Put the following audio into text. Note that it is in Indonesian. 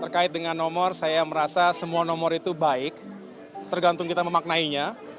terkait dengan nomor saya merasa semua nomor itu baik tergantung kita memaknainya